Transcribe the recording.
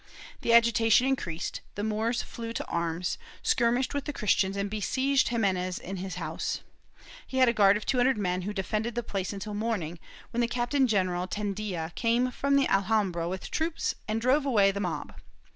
The agitation increased; the Moors flew to arms, skirmished with the Christians and besieged Ximenes in his house. He had a guard of two hundred men who defended the place until the morning, when the Captain general Tendilla came down from the Alhambra with troops and drove away the mob.